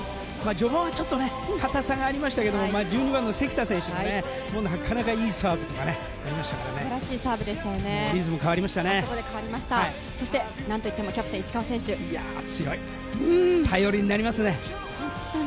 序盤はちょっと硬さがありましたけど１２番の関田選手がなかなかいいサーブとかありましたからね。